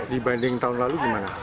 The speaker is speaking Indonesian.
dibanding tahun lalu gimana